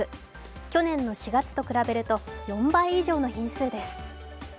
去年の４月と比べると４倍以上の品数です。